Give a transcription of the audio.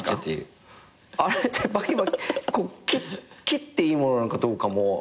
あれって切っていいものなのかどうかも。